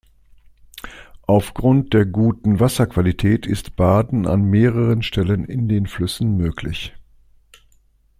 Aufgrund der guten Wasserqualität ist Baden an mehreren Stellen in den Flüssen möglich.